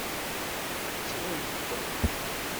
Ttren-t.